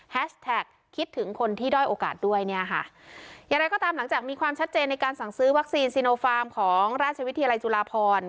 คิดถึงคนที่ด้อยโอกาสด้วยเนี่ยค่ะอย่างไรก็ตามหลังจากมีความชัดเจนในการสั่งซื้อวัคซีนซีโนฟาร์มของราชวิทยาลัยจุฬาพร